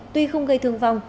tuy không gây thương vong